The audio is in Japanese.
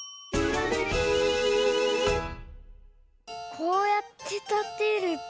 こうやってたてると。